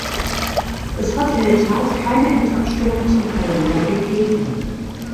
Es hat in der Tat keine Endabstimmung zum Kalender gegeben.